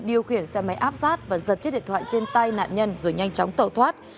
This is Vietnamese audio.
điều khiển xe máy áp sát và giật chiếc điện thoại trên tay nạn nhân rồi nhanh chóng tẩu thoát